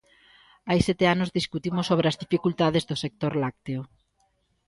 Hai sete anos discutimos sobre as dificultades do sector lácteo.